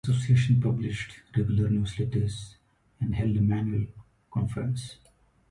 The association published regular newsletters and held an annual conference.